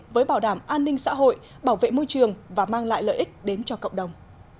với bảo đảm an ninh xã hội bảo vệ môi trường và mang lại lợi ích đến cho cộng đồng